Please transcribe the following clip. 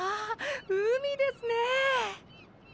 海ですねー！